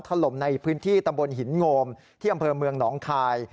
ถล่มในพื้นที่ตำบลหินโงมที่อำเภอเมืองหนองคาย